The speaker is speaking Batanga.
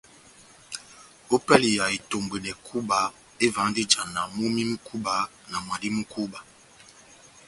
Ópɛlɛ ya itombwedɛ kúba, evahandi ijana momí mu kúba na mwadi mú kúba.